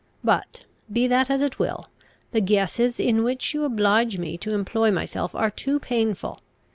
But, be that as it will, the guesses in which you oblige me to employ myself are too painful.